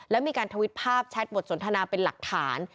แล้วมีการทวิตภาพแชทบทสนทนาเป็นหลักฐาน